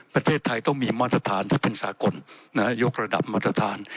ประเทศไทยต้องมีมาตรฐานที่เป็นสากลยกระดับมาตรฐาน